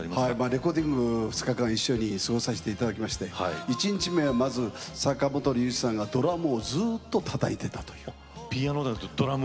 レコーディング２日間一緒に過ごさせていただきましたけれども１日目は坂本龍一さんがずっとドラムをたたいていたと。